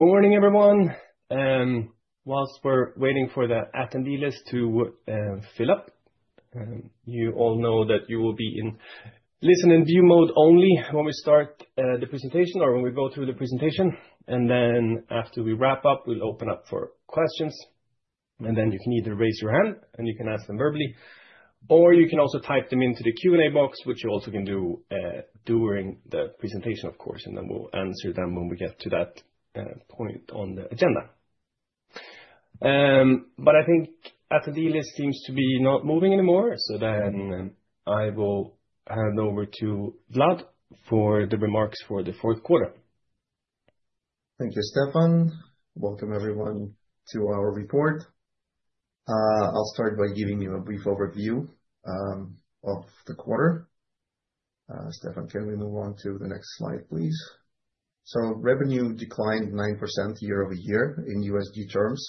Good morning, everyone. Whilst we're waiting for the attendee list to fill up, you all know that you will be in listen and view mode only when we start the presentation or when we go through the presentation. And then after we wrap up, we'll open up for questions, and then you can either raise your hand and you can ask them verbally, or you can also type them into the Q&A box, which you also can do during the presentation, of course, and then we'll answer them when we get to that point on the agenda. But I think the attendee list seems to be not moving anymore, so then I will hand over to Vlad for the remarks for the Q4. Thank you, Stefan. Welcome, everyone, to our report. I'll start by giving you a brief overview of the quarter. Stefan, can we move on to the next slide, please? So revenue declined 9% year-over-year in USD terms,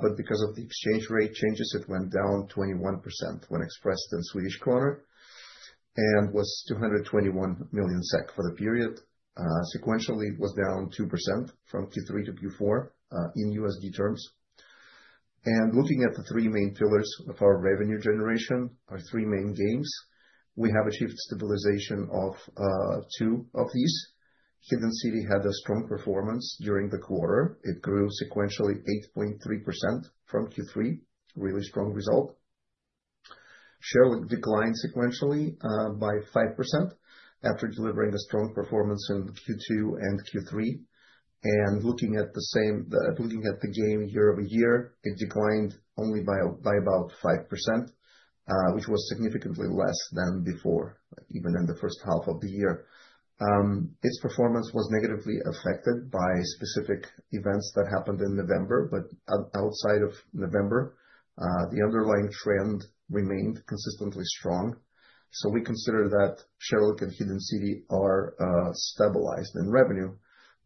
but because of the exchange rate changes, it went down 21% when expressed in Swedish krona, and was 221 million SEK for the period. Sequentially, it was down 2% from Q3 to Q4 in USD terms. And looking at the three main pillars of our revenue generation, our three main games, we have achieved stabilization of two of these. Hidden City had a strong performance during the quarter. It grew sequentially 8.3% from Q3. Really strong result. Sherlock declined sequentially by 5% after delivering a strong performance in Q2 and Q3. Looking at the game year-over-year, it declined only by about 5%, which was significantly less than before, even in the first half of the year. Its performance was negatively affected by specific events that happened in November, but outside of November, the underlying trend remained consistently strong. So we consider that Sherlock and Hidden City are stabilized in revenue.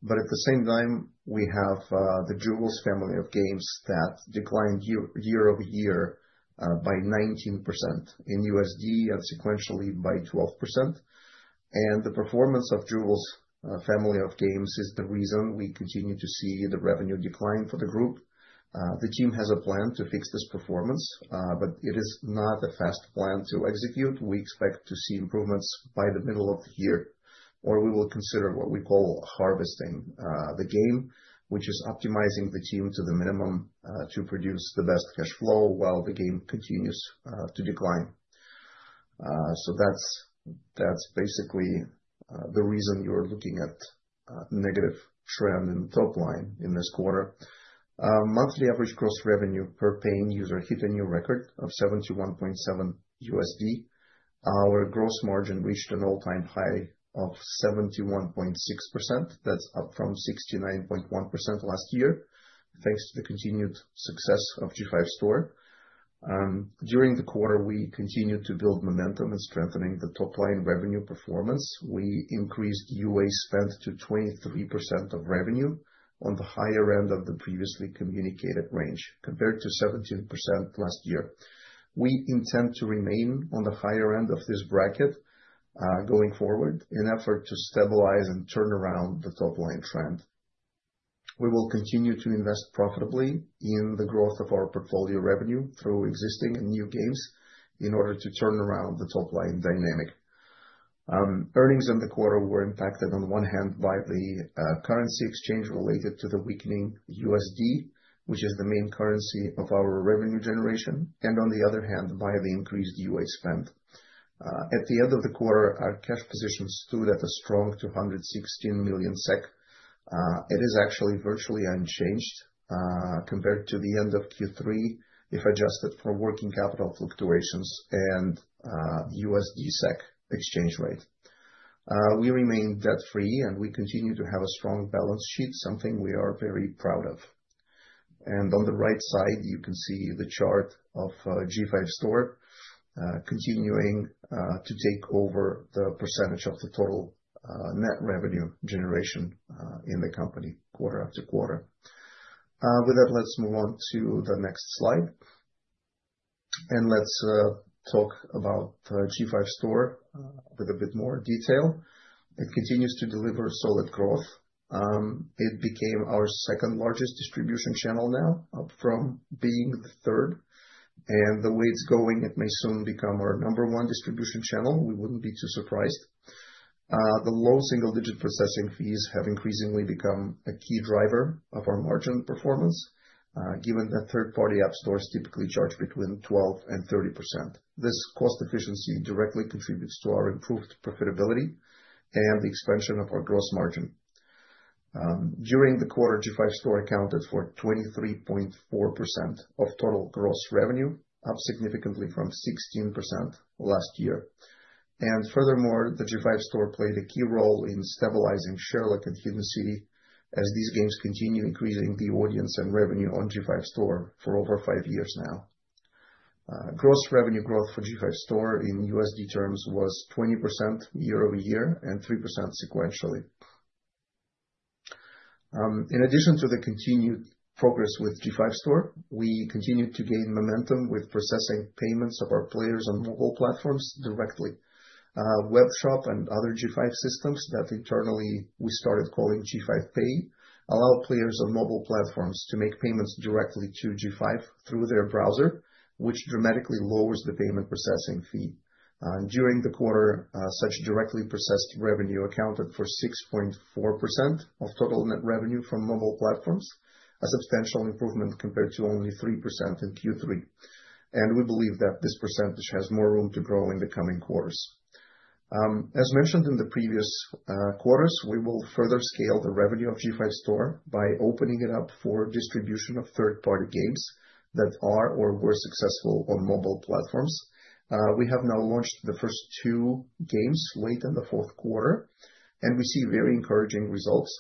But at the same time, we have the Jewels family of games that declined year-over-year by 19% in USD and sequentially by 12%. And the performance of Jewels family of games is the reason we continue to see the revenue decline for the group. The team has a plan to fix this performance, but it is not a fast plan to execute. We expect to see improvements by the middle of the year, or we will consider what we call harvesting the game, which is optimizing the team to the minimum, to produce the best cash flow while the game continues, to decline. So that's, that's basically, the reason you are looking at a negative trend in top line in this quarter. Monthly average gross revenue per paying user hit a new record of $71.7. Our gross margin reached an all-time high of 71.6%. That's up from 69.1% last year, thanks to the continued success of G5 Store. During the quarter, we continued to build momentum in strengthening the top line revenue performance. We increased UA spend to 23% of revenue on the higher end of the previously communicated range, compared to 17% last year. We intend to remain on the higher end of this bracket, going forward, in an effort to stabilize and turn around the top-line trend. We will continue to invest profitably in the growth of our portfolio revenue through existing and new games in order to turn around the top-line dynamic. Earnings in the quarter were impacted on the one hand by the currency exchange related to the weakening USD, which is the main currency of our revenue generation, and on the other hand, by the increased UA spend. At the end of the quarter, our cash position stood at a strong 216 million SEK. It is actually virtually unchanged compared to the end of Q3, if adjusted for working capital fluctuations and USD/SEK exchange rate. We remain debt-free, and we continue to have a strong balance sheet, something we are very proud of. On the right side, you can see the chart of G5 Store continuing to take over the percentage of the total net revenue generation in the company quarter-after-quarter. With that, let's move on to the next slide. Let's talk about G5 Store with a bit more detail. It continues to deliver solid growth. It became our second largest distribution channel now, up from being the third, and the way it's going, it may soon become our number one distribution channel. We wouldn't be too surprised. The low single-digit processing fees have increasingly become a key driver of our margin performance, given that third-party app stores typically charge between 12%-30%. This cost efficiency directly contributes to our improved profitability and the expansion of our gross margin. During the quarter, G5 Store accounted for 23.4% of total gross revenue, up significantly from 16% last year. Furthermore, the G5 Store played a key role in stabilizing Sherlock and Hidden City as these games continue increasing the audience and revenue on G5 Store for over five years now. Gross revenue growth for G5 Store in USD terms was 20% year-over-year and 3% sequentially. In addition to the continued progress with G5 Store, we continued to gain momentum with processing payments of our players on mobile platforms directly. Webshop and other G5 systems that internally we started calling G5 Pay allow players on mobile platforms to make payments directly to G5 through their browser, which dramatically lowers the payment processing fee. During the quarter, such directly processed revenue accounted for 6.4% of total net revenue from mobile platforms, a substantial improvement compared to only 3% in Q3. We believe that this percentage has more room to grow in the coming quarters. As mentioned in the previous quarters, we will further scale the revenue of G5 Store by opening it up for distribution of third-party games that are or were successful on mobile platforms. We have now launched the first two games late in the Q4, and we see very encouraging results.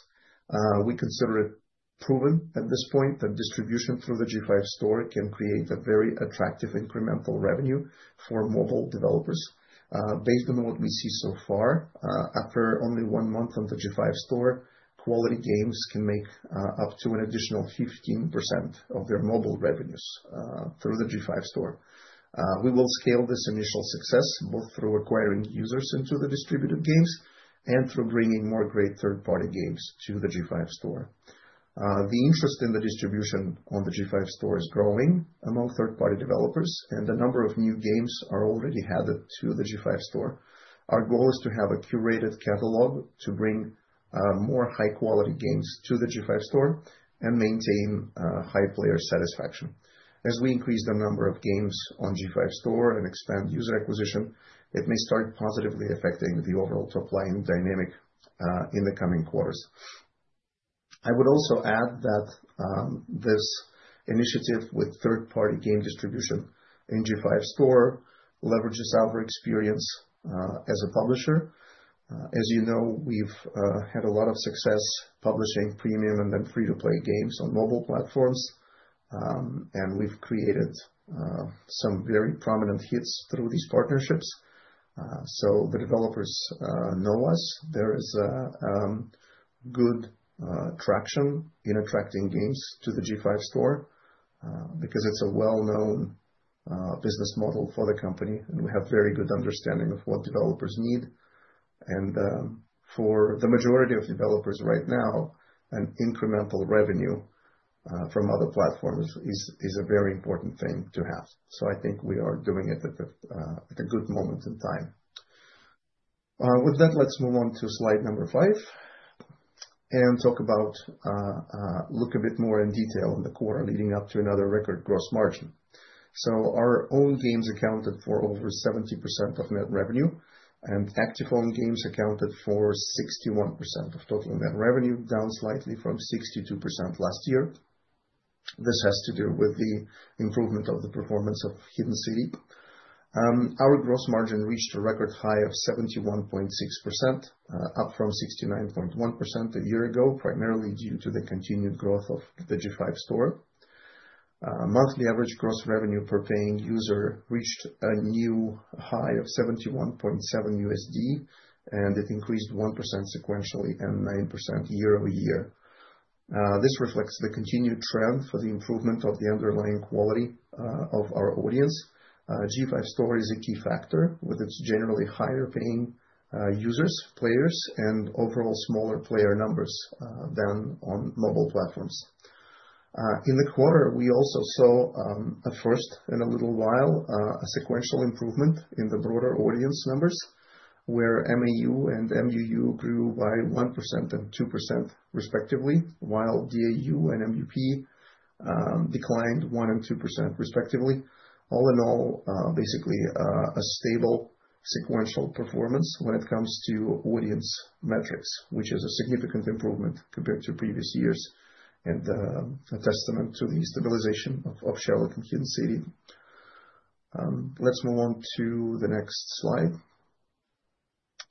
We consider it proven at this point, that distribution through the G5 Store can create a very attractive incremental revenue for mobile developers. Based on what we see so far, after only one month on the G5 Store, quality games can make up to an additional 15% of their mobile revenues through the G5 Store. We will scale this initial success, both through acquiring users into the distributed games and through bringing more great third-party games to the G5 Store. The interest in the distribution on the G5 Store is growing among third-party developers, and a number of new games are already added to the G5 Store. Our goal is to have a curated catalog to bring more high-quality games to the G5 Store and maintain high player satisfaction. As we increase the number of games on G5 Store and expand user acquisition, it may start positively affecting the overall top line dynamic in the coming quarters. I would also add that this initiative with third-party game distribution in G5 Store leverages our experience as a publisher. As you know, we've had a lot of success publishing premium and then free-to-play games on mobile platforms. And we've created some very prominent hits through these partnerships. So the developers know us. There is good traction in attracting games to the G5 Store because it's a well-known business model for the company, and we have very good understanding of what developers need. And for the majority of developers right now, an incremental revenue from other platforms is a very important thing to have. So I think we are doing it at a, at a good moment in time. With that, let's move on to slide number five, and talk about, look a bit more in detail at the quarter leading up to another record gross margin. So our own games accounted for over 70% of net revenue, and our iPhone games accounted for 61% of total net revenue, down slightly from 62% last year. This has to do with the improvement of the performance of Hidden City. Our gross margin reached a record high of 71.6%, up from 69.1% a year ago, primarily due to the continued growth of the G5 Store. Monthly average gross revenue per paying user reached a new high of $71.7, and it increased 1% sequentially and 9% year-over-year. This reflects the continued trend for the improvement of the underlying quality of our audience. G5 Store is a key factor, with its generally higher paying users, players, and overall smaller player numbers than on mobile platforms. In the quarter, we also saw, at first in a little while, a sequential improvement in the broader audience numbers, where MAU and MUU grew by 1% and 2% respectively, while DAU and MUP declined 1% and 2%, respectively. All in all, basically, a stable sequential performance when it comes to audience metrics, which is a significant improvement compared to previous years, and a testament to the stabilization of Sherlock and Hidden City. Let's move on to the next slide.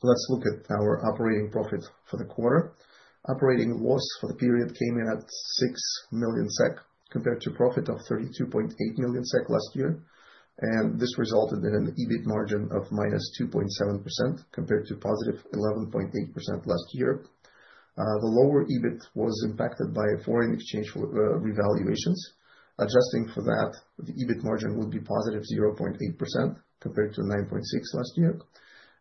Let's look at our operating profit for the quarter. Operating loss for the period came in at 6 million SEK, compared to profit of 32.8 million SEK last year, and this resulted in an EBIT margin of -2.7%, compared to +11.8% last year. The lower EBIT was impacted by foreign exchange revaluations. Adjusting for that, the EBIT margin would be +0.8%, compared to 9.6% last year.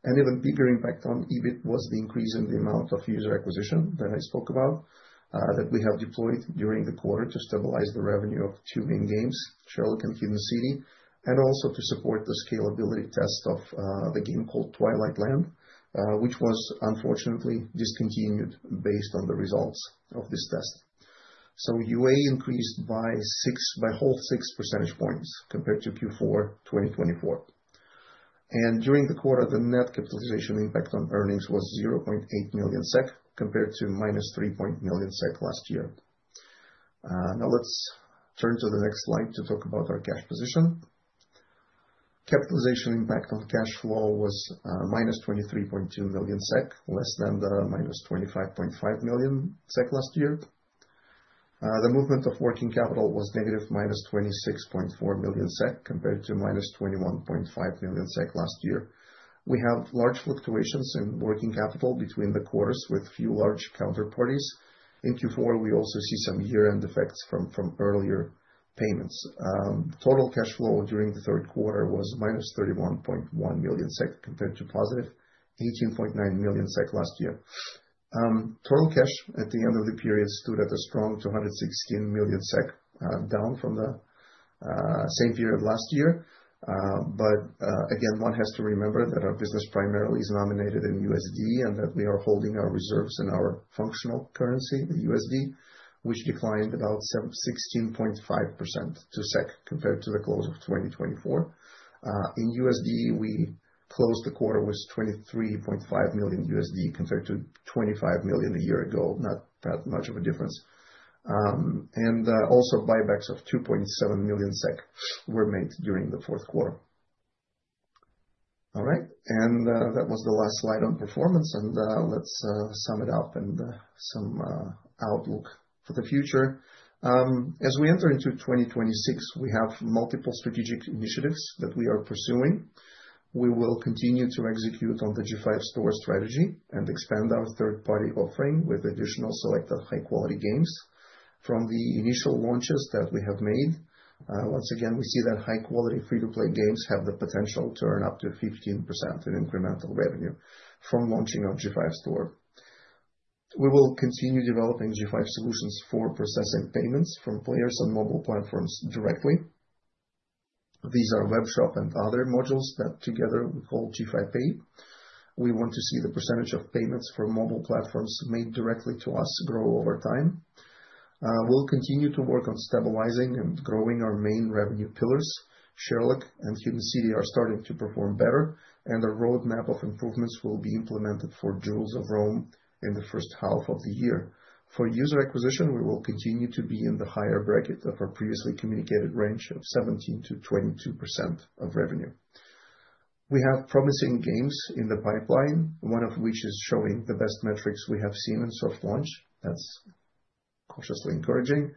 An even bigger impact on EBIT was the increase in the amount of user acquisition that I spoke about, that we have deployed during the quarter to stabilize the revenue of two main games, Sherlock and Hidden City, and also to support the scalability test of the game called Twilight Land, which was unfortunately discontinued based on the results of this test. UA increased by 6 percentage points compared to Q4 2024. During the quarter, the net capitalization impact on earnings was 0.8 million SEK, compared to minus 3 million SEK last year. Now let's turn to the next slide to talk about our cash position. Capitalization impact on cash flow was minus 23.2 million SEK, less than the minus 25.5 million SEK last year. The movement of working capital was negative minus 26.4 million SEK, compared to minus 21.5 million SEK last year. We have large fluctuations in working capital between the quarters with few large counterparties. In Q4, we also see some year-end effects from earlier payments. Total cash flow during the Q3 was minus 31.1 million SEK, compared to positive 18.9 million SEK last year. Total cash at the end of the period stood at a strong 216 million SEK, down from the same period last year. But again, one has to remember that our business primarily is denominated in USD and that we are holding our reserves in our functional currency, the USD, which declined about 16.5% to SEK, compared to the close of 2024. In USD, we closed the quarter with $23.5 million, compared to $25 million a year ago, not that much of a difference. Also buybacks of 2.7 million SEK were made during the Q4. All right, that was the last slide on performance, and let's sum it up and some outlook for the future. As we enter into 2026, we have multiple strategic initiatives that we are pursuing. We will continue to execute on the G5 Store strategy and expand our third-party offering with additional selection of high-quality games. From the initial launches that we have made, once again, we see that high quality free-to-play games have the potential to earn up to 15% in incremental revenue from launching on G5 Store. We will continue developing G5 solutions for processing payments from players on mobile platforms directly. These are Webshop and other modules that together we call G5 Pay. We want to see the percentage of payments from mobile platforms made directly to us grow over time. We'll continue to work on stabilizing and growing our main revenue pillars. Sherlock and Hidden City are starting to perform better, and a roadmap of improvements will be implemented for Jewels of Rome in the first half of the year. For user acquisition, we will continue to be in the higher bracket of our previously communicated range of 17%-22% of revenue. We have promising games in the pipeline, one of which is showing the best metrics we have seen in soft launch. That's cautiously encouraging.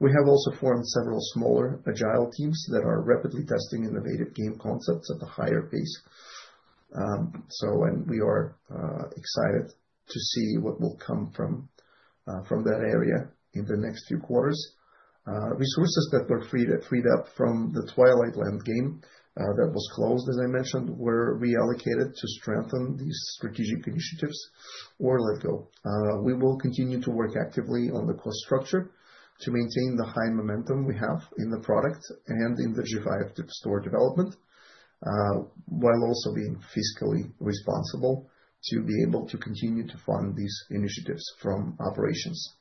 We have also formed several smaller agile teams that are rapidly testing innovative game concepts at a higher pace. We are excited to see what will come from that area in the next few quarters. Resources that were freed up from the Twilight Land game that was closed, as I mentioned, were reallocated to strengthen these strategic initiatives or let go. We will continue to work actively on the cost structure to maintain the high momentum we have in the product and in the G5 Store development while also being fiscally responsible to be able to continue to fund these initiatives from operations.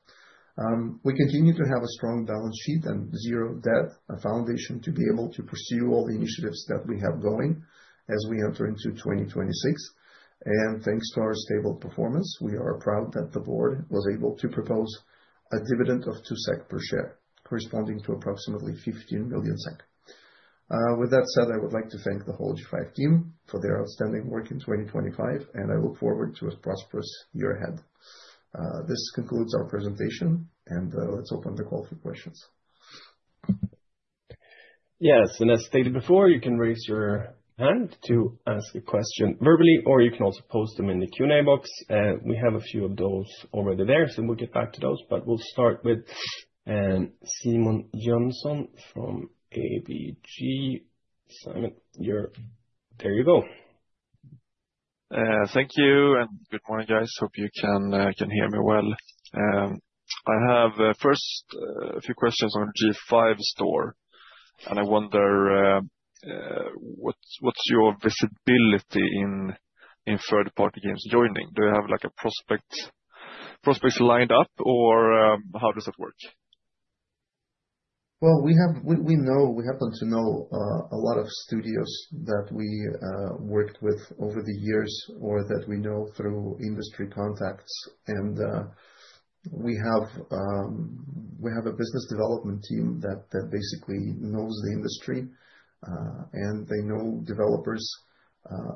We continue to have a strong balance sheet and zero debt, a foundation to be able to pursue all the initiatives that we have going as we enter into 2026. And thanks to our stable performance, we are proud that the board was able to propose a dividend of 2 SEK per share, corresponding to approximately 15 million SEK. With that said, I would like to thank the whole G5 team for their outstanding work in 2025, and I look forward to a prosperous year ahead. This concludes our presentation, and let's open the call for questions. Yes, and as stated before, you can raise your hand to ask a question verbally, or you can also post them in the Q&A box. We have a few of those already there, so we'll get back to those, but we'll start with Simon Jönsson from ABG. Simon, you're - there you go. Thank you, and good morning, guys. Hope you can hear me well. I have first a few questions on G5 Store, and I wonder what's your visibility in third-party games joining? Do you have, like, prospects lined up, or how does it work? Well, we happen to know a lot of studios that we worked with over the years or that we know through industry contacts. And we have a business development team that basically knows the industry, and they know developers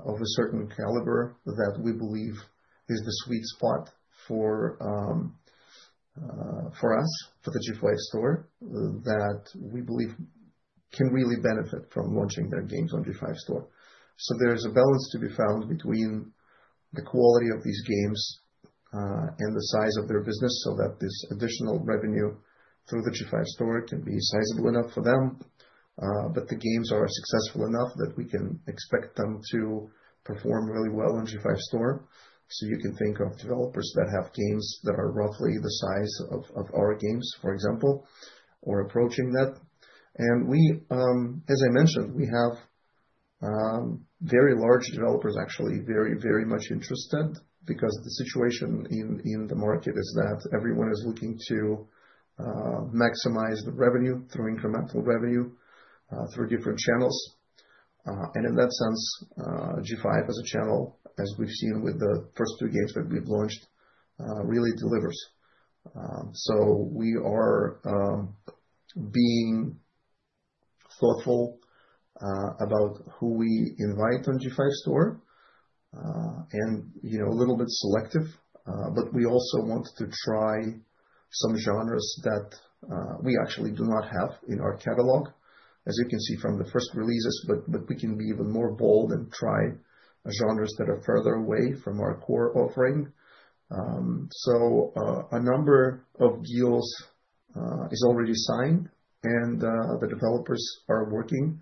of a certain caliber that we believe is the sweet spot for us, for the G5 Store, that we believe can really benefit from launching their games on G5 Store. So there is a balance to be found between the quality of these games and the size of their business, so that this additional revenue through the G5 Store can be sizable enough for them, but the games are successful enough that we can expect them to perform really well on G5 Store. So you can think of developers that have games that are roughly the size of, of our games, for example, or approaching that. And we, as I mentioned, we have, very large developers, actually, very, very much interested, because the situation in, in the market is that everyone is looking to, maximize the revenue through incremental revenue, through different channels. And in that sense, G5 as a channel, as we've seen with the first two games that we've launched, really delivers. So we are, being-... thoughtful about who we invite on G5 Store, and, you know, a little bit selective, but we also want to try some genres that we actually do not have in our catalog, as you can see from the first releases, but we can be even more bold and try genres that are further away from our core offering. So, a number of deals is already signed, and the developers are working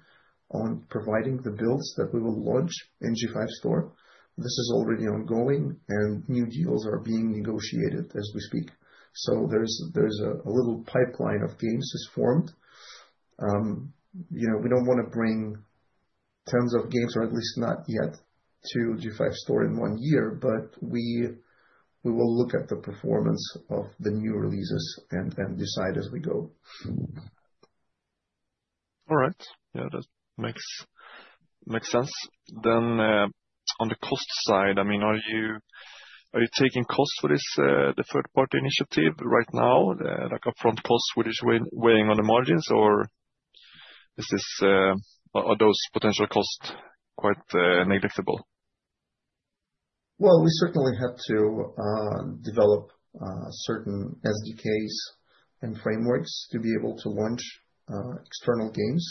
on providing the builds that we will launch in G5 Store. This is already ongoing, and new deals are being negotiated as we speak. So there's a little pipeline of games is formed. You know, we don't want to bring tons of games, or at least not yet, to G5 Store in one year, but we will look at the performance of the new releases and decide as we go. All right. Yeah, that makes sense. Then, on the cost side, I mean, are you taking costs for this, the third party initiative right now, like a front cost which is weighing on the margins? Or is this... Are those potential costs quite negligible? Well, we certainly have to develop certain SDKs and frameworks to be able to launch external games.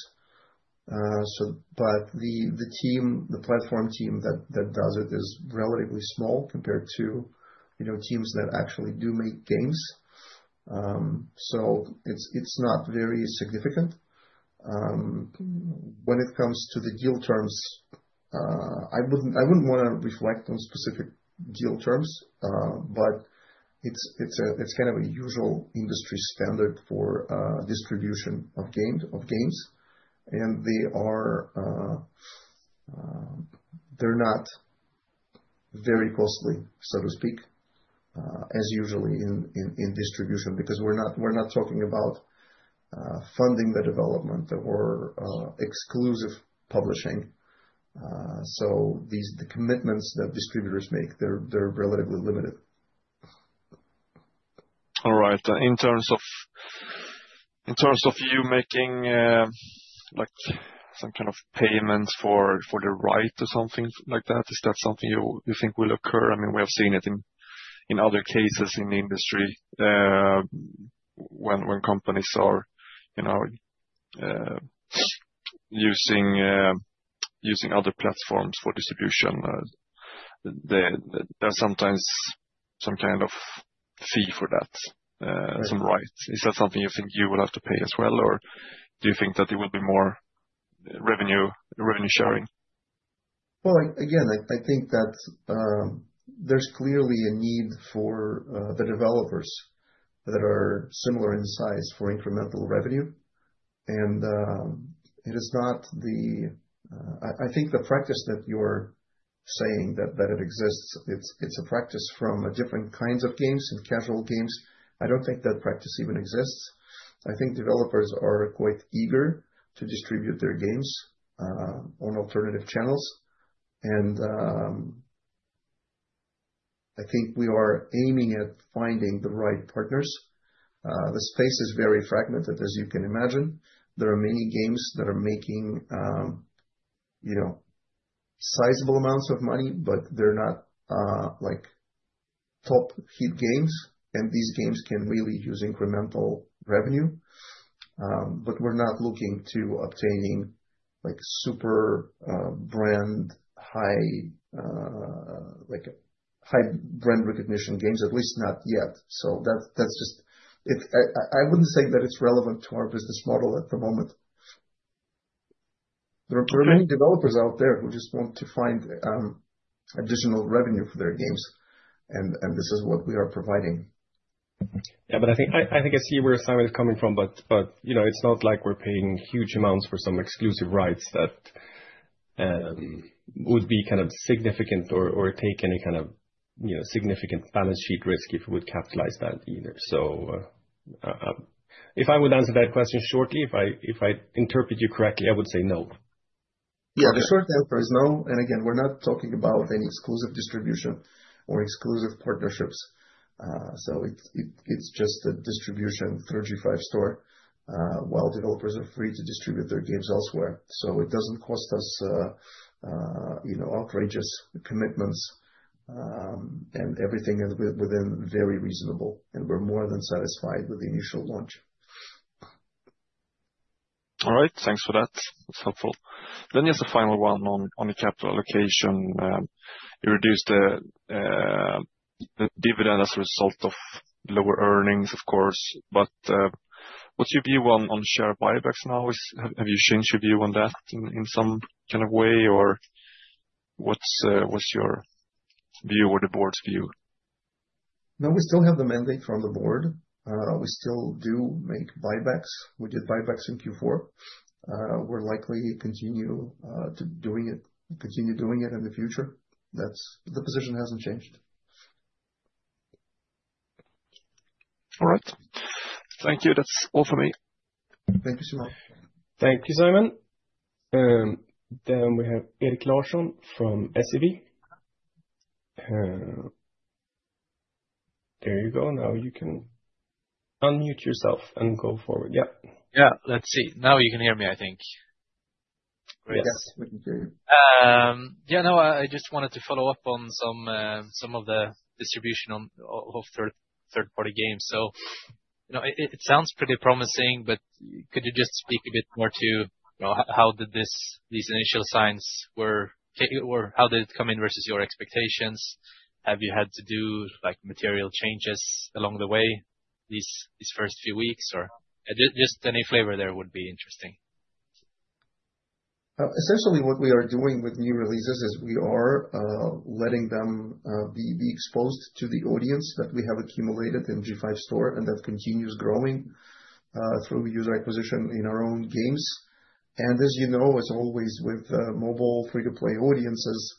But the team, the platform team that does it is relatively small compared to, you know, teams that actually do make games. So it's not very significant. When it comes to the deal terms, I wouldn't want to reflect on specific deal terms, but it's kind of a usual industry standard for distribution of games. And they are, they're not very costly, so to speak, as usually in distribution, because we're not talking about funding the development or exclusive publishing. So these, the commitments that distributors make, they're relatively limited. All right. In terms of you making, like some kind of payments for the right or something like that, is that something you think will occur? I mean, we have seen it in other cases in the industry, when companies are, you know, using other platforms for distribution. There's sometimes some kind of fee for that, some right. Is that something you think you will have to pay as well, or do you think that it will be more revenue sharing? Well, again, I think that there's clearly a need for the developers that are similar in size for incremental revenue. I think the practice that you're saying that it exists; it's a practice from different kinds of games and casual games. I don't think that practice even exists. I think developers are quite eager to distribute their games on alternative channels, and I think we are aiming at finding the right partners. The space is very fragmented, as you can imagine. There are many games that are making, you know, sizable amounts of money, but they're not like top hit games, and these games can really use incremental revenue. But we're not looking to obtaining like super brand high like high brand recognition games, at least not yet. So that's just. I wouldn't say that it's relevant to our business model at the moment. There are many developers out there who just want to find additional revenue for their games, and this is what we are providing. Yeah, but I think I see where Simon is coming from, but you know, it's not like we're paying huge amounts for some exclusive rights that would be kind of significant or take any kind of, you know, significant balance sheet risk if we would capitalize that either. So, if I would answer that question shortly, if I interpreted you correctly, I would say no. Yeah, the short answer is no. And again, we're not talking about any exclusive distribution or exclusive partnerships. So it's just a distribution through G5 Store, while developers are free to distribute their games elsewhere. So it doesn't cost us, you know, outrageous commitments, and everything is within very reasonable, and we're more than satisfied with the initial launch. All right. Thanks for that. That's helpful. Then just a final one on the capital allocation. You reduced the dividend as a result of lower earnings, of course, but what's your view on share buybacks now? Have you changed your view on that in some kind of way, or what's your view or the board's view? No, we still have the mandate from the board. We still do make buybacks. We did buybacks in Q4. We're likely to continue doing it in the future. That's... the position hasn't changed. All right. Thank you. That's all for me. Thank you so much. Thank you, Simon. Then we have Erik Larsson from SEB. There you go. Now you can unmute yourself and go forward. Yep. Yeah, let's see. Now you can hear me, I think. Yes, we can hear you. Yeah, no, I just wanted to follow up on some of the distribution of third-party games. So, you know, it sounds pretty promising, but could you just speak a bit more to, you know, how did these initial signs come or how did it come in versus your expectations? Have you had to do, like, material changes along the way, these first few weeks, or just any flavor there would be interesting. Essentially, what we are doing with new releases is we are letting them be exposed to the audience that we have accumulated in G5 Store, and that continues growing through user acquisition in our own games. And as you know, as always, with mobile free-to-play audiences,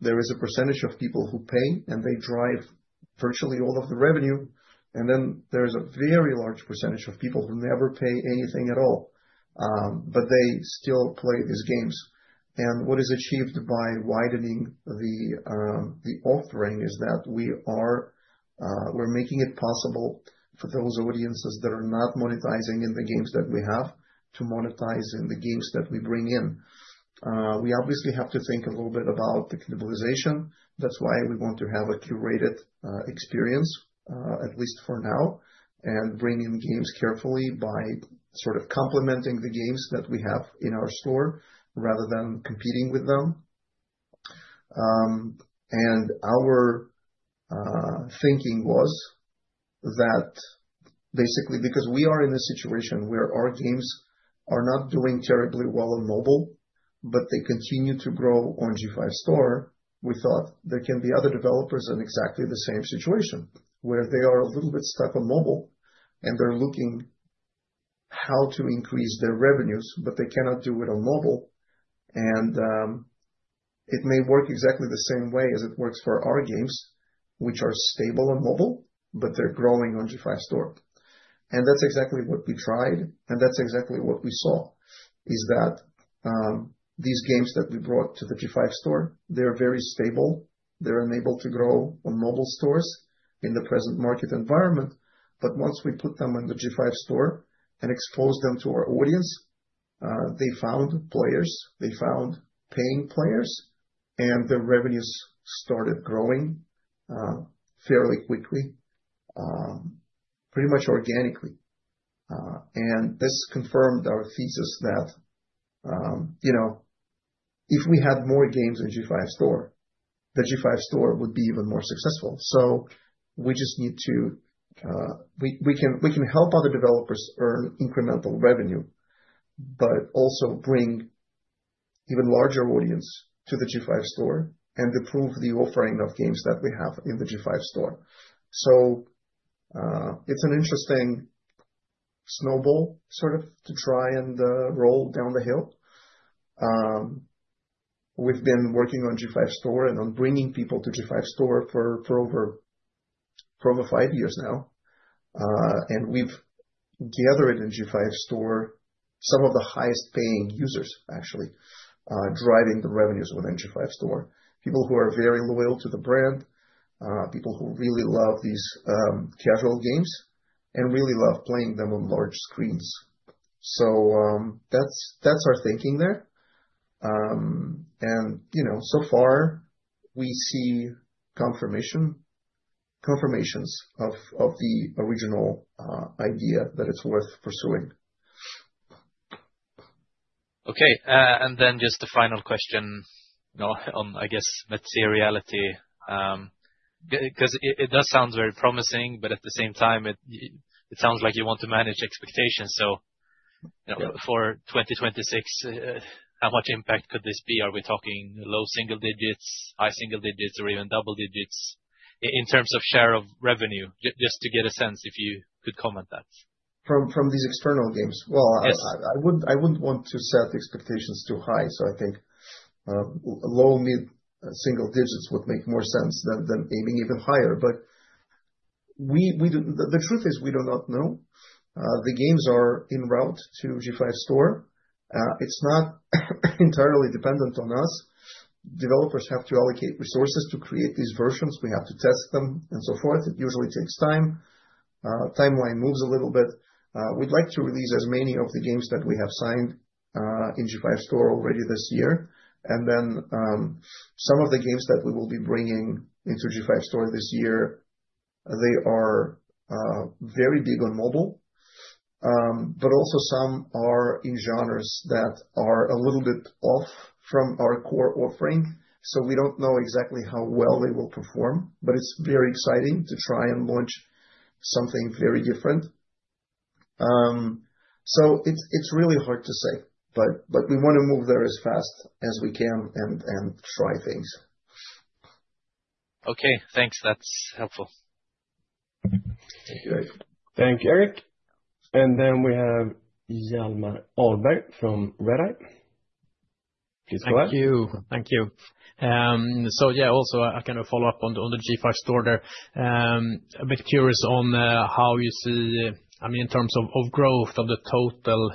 there is a percentage of people who pay, and they drive virtually all of the revenue. And then there is a very large percentage of people who never pay anything at all, but they still play these games. And what is achieved by widening the offering is that we're making it possible for those audiences that are not monetizing in the games that we have to monetize in the games that we bring in. We obviously have to think a little bit about the cannibalization. That's why we want to have a curated experience, at least for now, and bring in games carefully by sort of complementing the games that we have in our store, rather than competing with them. And our thinking was that basically because we are in a situation where our games are not doing terribly well on mobile, but they continue to grow on G5 Store, we thought there can be other developers in exactly the same situation, where they are a little bit stuck on mobile, and they're looking how to increase their revenues, but they cannot do it on mobile. It may work exactly the same way as it works for our games, which are stable on mobile, but they're growing on G5 Store. And that's exactly what we tried, and that's exactly what we saw, is that, these games that we brought to the G5 Store, they are very stable. They're unable to grow on mobile stores in the present market environment, but once we put them in the G5 Store and exposed them to our audience, they found players, they found paying players, and their revenues started growing, fairly quickly, pretty much organically. And this confirmed our thesis that, you know, if we had more games on G5 Store, the G5 Store would be even more successful. So we just need to. We can help other developers earn incremental revenue, but also bring even larger audience to the G5 Store and improve the offering of games that we have in the G5 Store. It's an interesting snowball, sort of, to try and roll down the hill. We've been working on G5 Store and on bringing people to G5 Store for over five years now. And we've gathered in G5 Store some of the highest-paying users, actually, driving the revenues within G5 Store. People who are very loyal to the brand, people who really love these casual games, and really love playing them on large screens. So, that's our thinking there. And, you know, so far we see confirmations of the original idea, that it's worth pursuing. Okay, and then just a final question, you know, on, I guess, materiality. Because it, it does sound very promising, but at the same time, it, it sounds like you want to manage expectations. So, you know, for 2026, how much impact could this be? Are we talking low single-digit, high single-digit, or even double-digit in terms of share of revenue? Just to get a sense, if you could comment that. From these external games? Yes. Well, I wouldn't want to set expectations too high, so I think low, mid, single-digit would make more sense than aiming even higher. But the truth is, we do not know. The games are en route to G5 Store. It's not entirely dependent on us. Developers have to allocate resources to create these versions. We have to test them, and so forth. It usually takes time. Timeline moves a little bit. We'd like to release as many of the games that we have signed in G5 Store already this year. And then, some of the games that we will be bringing into G5 Store this year, they are, very big on mobile, but also some are in genres that are a little bit off from our core offering, so we don't know exactly how well they will perform, but it's very exciting to try and launch something very different. So it's, it's really hard to say, but, but we want to move there as fast as we can and, and try things. Okay, thanks. That's helpful. Thank you. Thank you, Erik. We have Hjalmar Ahlberg from Redeye. Please go ahead. Thank you. Thank you. So yeah, also, I kind of follow up on the, on the G5 Store there. A bit curious on how you see, I mean, in terms of, of growth of the total-...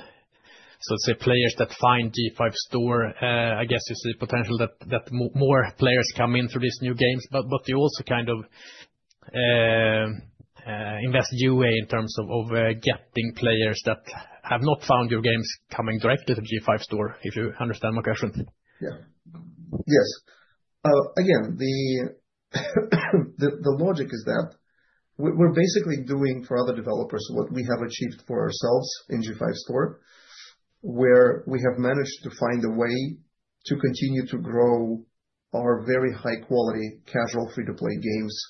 So say players that find G5 Store, I guess, you see the potential that, that more players come in through these new games, but, but you also kind of invest UA in terms of, of getting players that have not found your games coming direct to the G5 Store, if you understand my question? Yeah. Yes. Again, the logic is that we're basically doing for other developers what we have achieved for ourselves in G5 Store, where we have managed to find a way to continue to grow our very high quality, casual, free-to-play games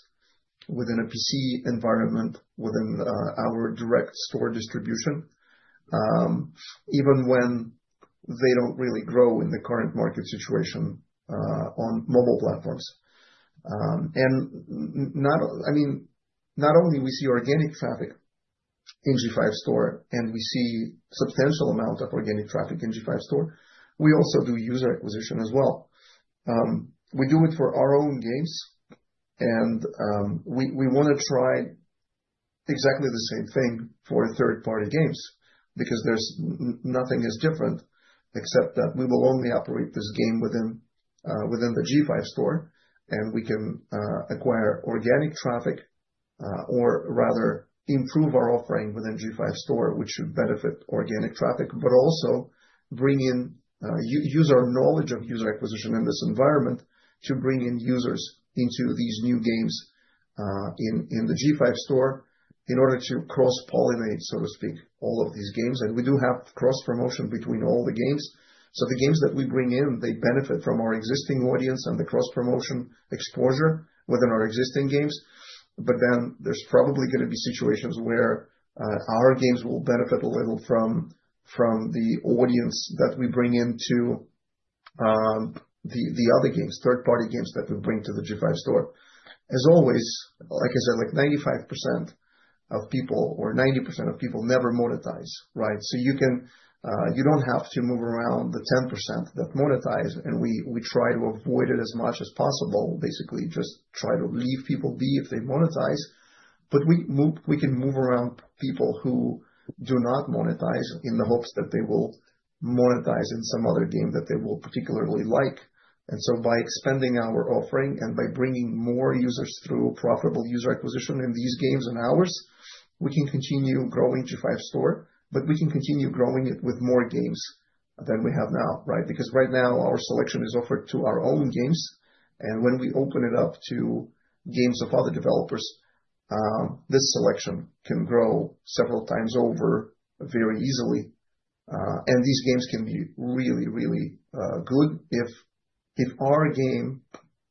within a PC environment, within our direct store distribution, even when they don't really grow in the current market situation on mobile platforms. And not only we see organic traffic in G5 Store, and we see substantial amount of organic traffic in G5 Store, we also do user acquisition as well. We do it for our own games, and we want to try exactly the same thing for third-party games, because there's nothing different, except that we will only operate this game within the G5 Store, and we can acquire organic traffic, or rather improve our offering within G5 Store, which should benefit organic traffic, but also bring in user knowledge of user acquisition in this environment to bring in users into these new games, in the G5 Store in order to cross-pollinate, so to speak, all of these games. And we do have cross-promotion between all the games. So the games that we bring in, they benefit from our existing audience and the cross-promotion exposure within our existing games. But then there's probably going to be situations where our games will benefit a little from the audience that we bring into the other games, third party games that we bring to the G5 Store. As always, like I said, like 95% of people, or 90% of people never monetize, right? So you can you don't have to move around the 10% that monetize, and we try to avoid it as much as possible. Basically, just try to leave people be if they monetize. But we can move around people who do not monetize in the hopes that they will monetize in some other game that they will particularly like. And so by expanding our offering, and by bringing more users through profitable user acquisition in these games and ours, we can continue growing G5 Store, but we can continue growing it with more games than we have now, right? Because right now, our selection is offered to our own games, and when we open it up to games of other developers, this selection can grow several times over very easily. And these games can be really, really good. If our game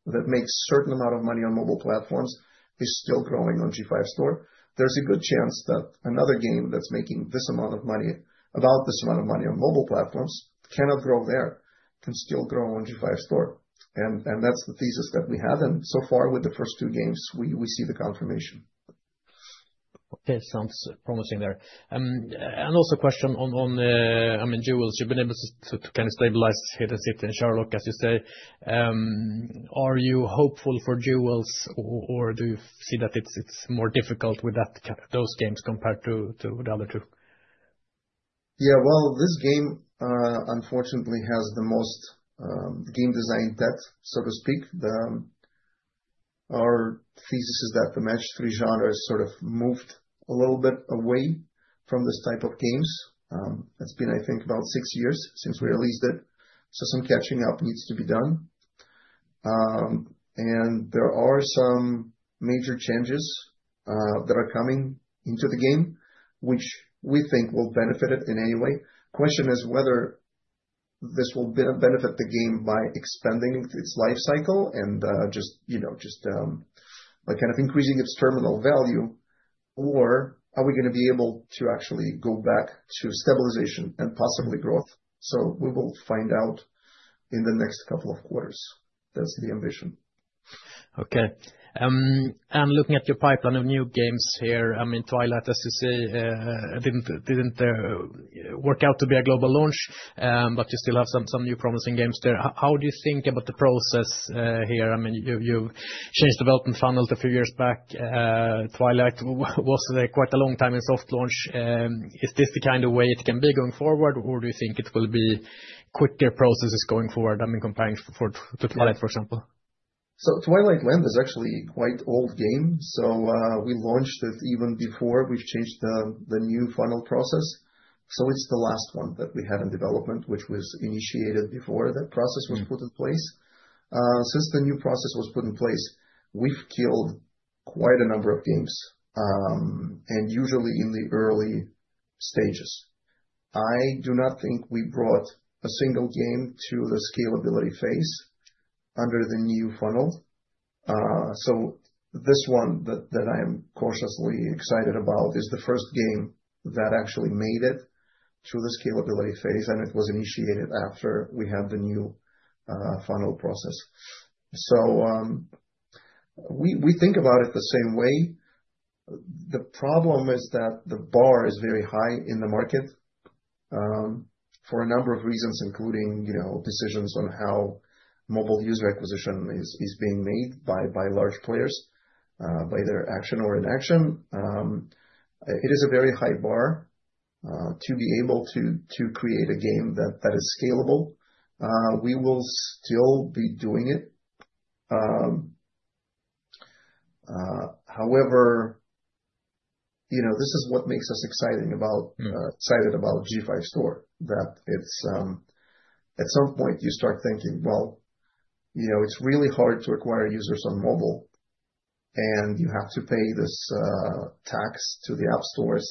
that makes certain amount of money on mobile platforms is still growing on G5 Store, there's a good chance that another game that's making this amount of money, about this amount of money on mobile platforms, cannot grow there, can still grow on G5 Store. And that's the thesis that we have, and so far, with the first two games, we see the confirmation. Okay, sounds promising there. And also a question on, I mean, Jewels. You've been able to kind of stabilize Hidden City and Sherlock, as you say. Are you hopeful for Jewels, or do you see that it's more difficult with that, those games compared to the other two? Yeah, well, this game, unfortunately, has the most, game design debt, so to speak. Our thesis is that the match-3 genre is sort of moved a little bit away from this type of games. It's been, I think, about six years since we released it, so some catching up needs to be done. And there are some major changes, that are coming into the game, which we think will benefit it in any way. Question is whether this will benefit the game by extending its life cycle and, just, you know, just, by kind of increasing its terminal value, or are we going to be able to actually go back to stabilization and possibly growth? So we will find out in the next couple of quarters. That's the ambition. Okay. I'm looking at your pipeline of new games here. I mean, Twilight, as you say, didn't work out to be a global launch, but you still have some new promising games there. How do you think about the process here? I mean, you changed development funnels a few years back. Twilight was quite a long time in soft launch. Is this the kind of way it can be going forward, or do you think it will be quicker processes going forward, I mean, comparing to Twilight, for example? So Twilight Land is actually quite old game, so we launched it even before we've changed the new funnel process. So it's the last one that we had in development, which was initiated before that process was put in place. Since the new process was put in place, we've killed quite a number of games, and usually in the early stages. I do not think we brought a single game to the scalability phase under the new funnel. So this one that I am cautiously excited about is the first game that actually made it to the scalability phase, and it was initiated after we had the new funnel process. So we think about it the same way. The problem is that the bar is very high in the market, for a number of reasons, including, you know, decisions on how mobile user acquisition is being made by large players by their action or inaction. It is a very high bar, to be able to create a game that is scalable. We will still be doing it. However, you know, this is what makes us excited about G5 Store, that it's at some point, you start thinking: Well, you know, it's really hard to acquire users on mobile, and you have to pay this tax to the app stores,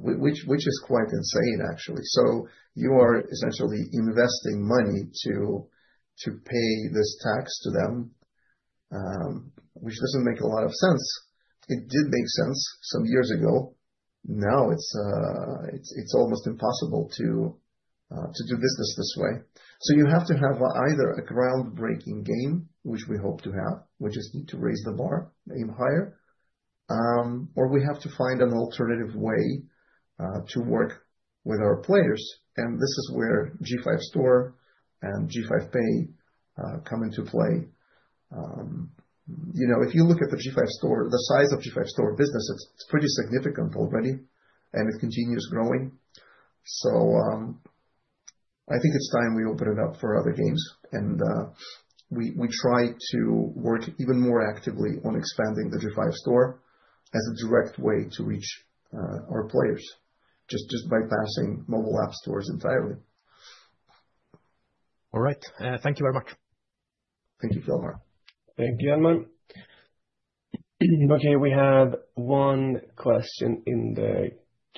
which is quite insane, actually. So you are essentially investing money to pay this tax to them, which doesn't make a lot of sense. It did make sense some years ago. Now, it's almost impossible to do business this way. So you have to have either a groundbreaking game, which we hope to have, we just need to raise the bar, aim higher, or we have to find an alternative way to work with our players, and this is where G5 Store and G5 Pay come into play. You know, if you look at the G5 Store, the size of G5 Store business, it's pretty significant already, and it continues growing. So, I think it's time we open it up for other games, and we try to work even more actively on expanding the G5 Store as a direct way to reach our players, just bypassing mobile app stores entirely. All right, thank you very much. Thank you, Hjalmar. Thank you, Hjalmar. Okay, we have one question in the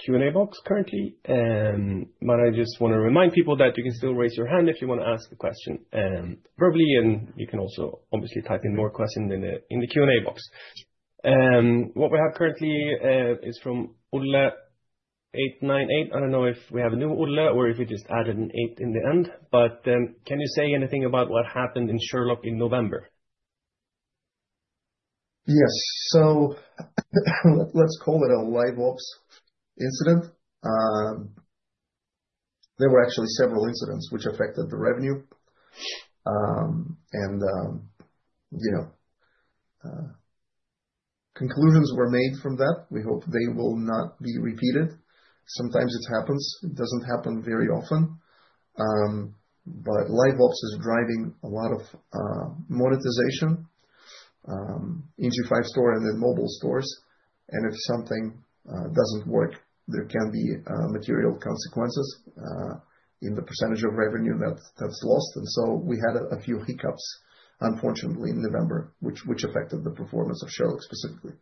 Q&A box currently, but I just want to remind people that you can still raise your hand if you want to ask a question, verbally, and you can also obviously type in more questions in the Q&A box. What we have currently is from Ole 898. I don't know if we have a new Ole or if we just added an eight in the end, but can you say anything about what happened in Sherlock in November? Yes. So let's call it a LiveOps incident. There were actually several incidents which affected the revenue. And, you know, conclusions were made from that. We hope they will not be repeated. Sometimes it happens. It doesn't happen very often, but LiveOps is driving a lot of monetization in G5 Store and the mobile stores, and if something doesn't work, there can be material consequences in the percentage of revenue that's lost. And so we had a few hiccups, unfortunately, in November, which affected the performance of Sherlock, specifically.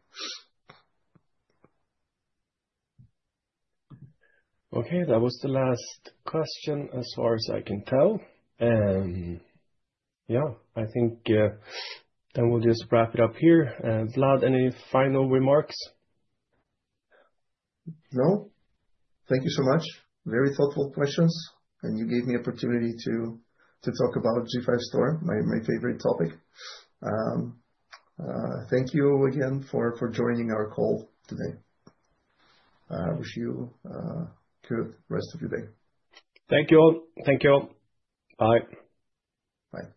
Okay, that was the last question as far as I can tell. And yeah, I think, then we'll just wrap it up here. Vlad, any final remarks? No. Thank you so much. Very thoughtful questions, and you gave me the opportunity to talk about G5 Store, my favorite topic. Thank you again for joining our call today. I wish you good rest of your day. Thank you all. Thank you all. Bye. Bye.